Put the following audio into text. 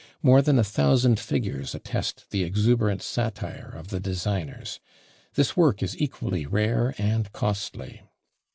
More than a thousand figures attest the exuberant satire of the designers. This work is equally rare and costly.